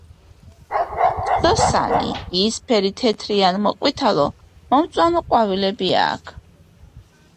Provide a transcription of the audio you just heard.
სოსანი, იისფერი, თეთრი ან მოყვითალო-მომწვანო ყვავილები აქვთ.